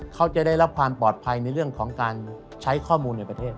เขาจะได้รับความปลอดภัยในเรื่องของการใช้ข้อมูลในประเทศ